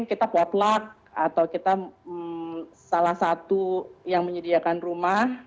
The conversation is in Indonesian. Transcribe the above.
kita potluck atau kita salah satu yang menyediakan rumah